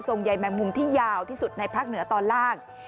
ใยแมงมุมที่ยาวที่สุดในภาคเหนือตอนล่าง